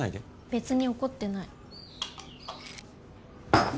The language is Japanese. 別に怒ってない。